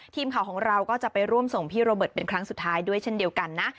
ทีมข่าวของเราก็จะไปร่วมส่งพี่โรเบิร์ตเป็นครั้งสุดท้ายด้วยเช่นเดียวกันนะ